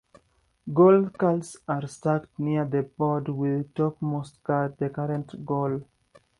Goals cards are stacked near the board with top most card the current goal.